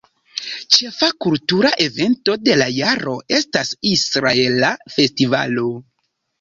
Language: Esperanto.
Ĉefa kultura evento de la jaro estas Israela festivalo.